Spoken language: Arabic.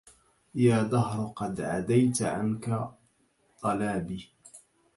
يا دهر قد عديت عنك طلابي